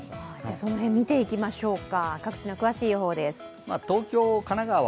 その辺、見ていきましょうか。